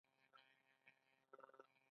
آیا تعرفې او مالیې کمول نه غواړي؟